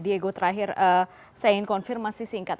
diego terakhir saya ingin konfirmasi singkat